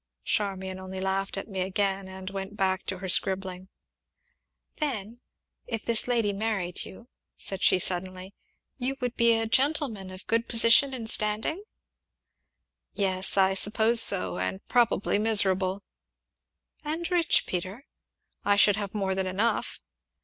Charmian only laughed at me again, and went back to her scribbling. "Then, if this lady married you," said she suddenly, "you would be a gentleman of good position and standing?" "Yes, I suppose so and probably miserable." "And rich, Peter?" "I should have more than enough."